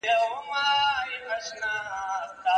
چا توپکونه چا واسکټ چا طیارې راوړي